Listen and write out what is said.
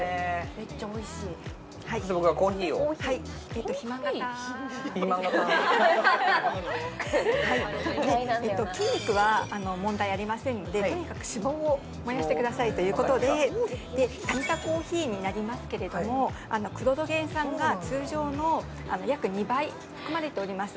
めっちゃおいしい筋肉は問題ありませんのでとにかく脂肪を燃やしてくださいということでタニタコーヒーになりますけれどもクロロゲン酸が通常の約２倍含まれております